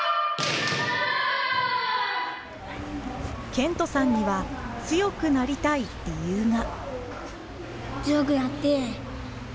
健翔さんには強くなりたい理由が。